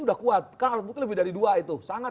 sudah kuat kan alat bukti lebih dari dua itu sangat